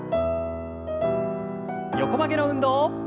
横曲げの運動。